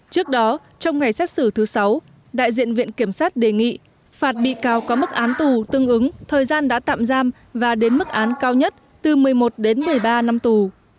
trước đó trong ngày xét xử thứ sáu đại diện viện kiểm sát đề nghị phạt bị cáo có mức án tù tương ứng thời gian đã tạm giam và đến mức án cao nhất từ một mươi một đến một mươi ba năm tù